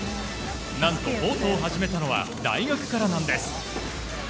何と、ボートを始めたのは大学からなんです。